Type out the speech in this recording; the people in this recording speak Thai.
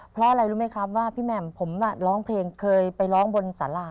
เพราะอะไรรู้ไหมครับว่าพี่แหม่มผมน่ะร้องเพลงเคยไปร้องบนสารา